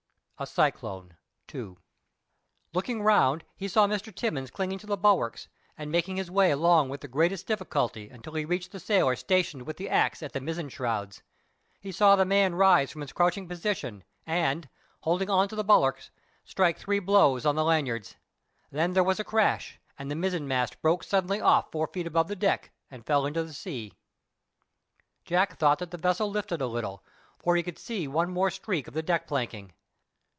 A CYCLONE.—II. Looking round he saw Mr. Timmins clinging to the bulwarks, and making his way along with the greatest difficulty until he reached the sailor stationed with the axe at the mizzen shrouds. He saw the man rise from his crouching position, and, holding on to the bulwarks, strike three blows on the lanyards. Then there was a crash, and the mizzen mast broke suddenly off four feet above the deck, and fell into the sea. Jack thought that the vessel lifted a little, for he could see one more streak of the deck planking.